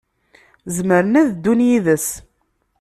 Zemren ad ddun yid-s.